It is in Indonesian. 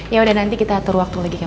yaudah nanti kita atur waktu lagi kakak